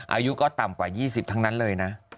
อายุก็ต่ำกว่า๒๐ทั้งนั้นเลยนะ